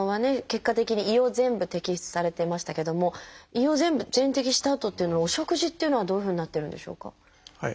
結果的に胃を全部摘出されてましたけども胃を全部全摘したあとっていうのはお食事っていうのはどういうふうになってるんでしょうか？